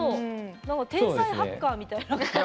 天才ハッカーみたいな。